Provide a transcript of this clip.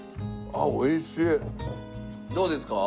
どうですか？